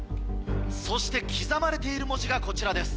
そして刻まれている文字がこちらです。